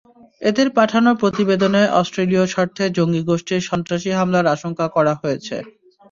এঁদের পাঠানো প্রতিবেদনে অস্ট্রেলীয় স্বার্থে জঙ্গি গোষ্ঠীর সন্ত্রাসী হামলার আশঙ্কা করা হয়েছে।